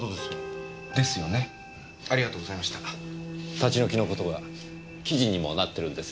立ち退きのことは記事にもなってるんですね。